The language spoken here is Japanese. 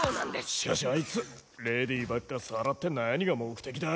しかしあいつレディーばっかさらって何が目的だ？